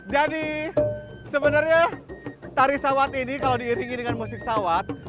jadi sebenarnya tari sawat ini kalau diiringi dengan musik sawat